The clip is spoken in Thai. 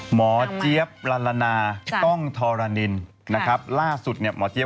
หมอเจี๊ยบเล่าประสบการณ์อะไร